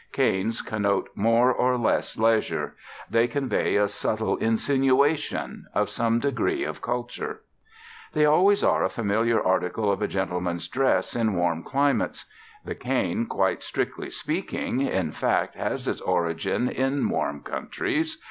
Canes connote more or less leisure. They convey a subtle insinuation of some degree of culture. They always are a familiar article of a gentleman's dress in warm climates. The cane, quite strictly speaking, in fact has its origin in warm countries.